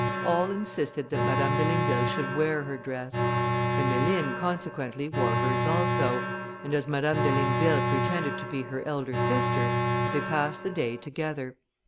All insisted that Madame de Ligneville should wear her dress; Emmeline, consequently, wore hers also; and as Madame de Ligneville pretended to be her elder sister, they passed the day together.